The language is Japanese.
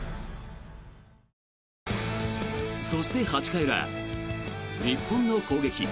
そして、８回裏日本の攻撃。